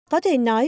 có thể nói